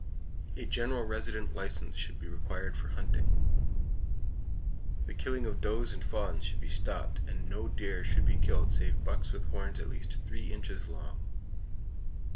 A general resident license should be required for hunting. The killing of does and fawns should be stopped, and no deer should be killed save bucks with horns at least three inches long.